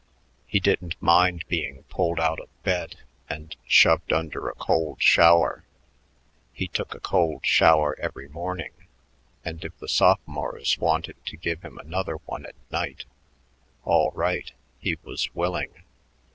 He didn't mind being pulled out of bed and shoved under a cold shower. He took a cold shower every morning, and if the sophomores wanted to give him another one at night all right, he was willing.